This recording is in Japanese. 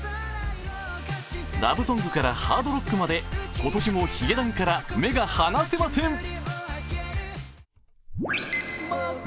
ラブソングからハードロックまで今年もヒゲダンから目が離せません。